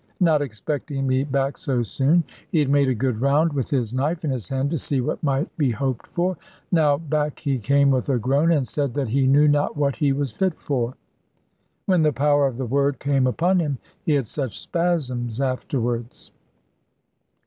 Not expecting me back so soon, he had made a good round, with his knife in his hand, to see what might be hoped for. Now back he came with a groan, and said that he knew not what he was fit for. When the power of the Word came upon him, he had such spasms afterwards.